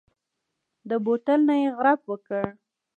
د بوتل نه يې غړپ وکړ.